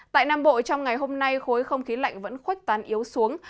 tại nam bộ trong ngày hôm nay khối không khí lạnh vẫn khuếch tán yếu xuống